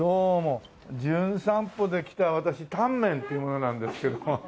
『じゅん散歩』で来た私タンメンっていう者なんですけど。